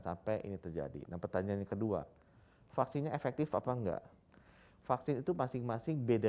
sampai ini terjadi nah pertanyaannya kedua vaksinnya efektif apa enggak vaksin itu masing masing beda